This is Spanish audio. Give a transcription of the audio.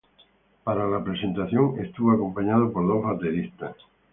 Para la presentación, estuvo acompañada por dos bateristas.